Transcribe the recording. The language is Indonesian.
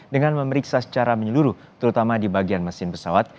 dengan memeriksa secara menyeluruh terutama di bagian mesin pesawat